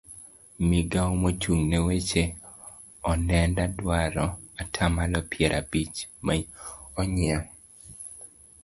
migawo mochung' ne weche onenda dwaro atamalo piero abich ma onyiew